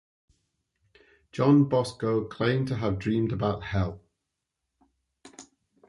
John Bosco claimed to have dreamed about hell.